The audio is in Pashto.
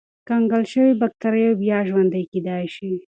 کنګل شوې بکتریاوې بیا ژوندی کېدای شي.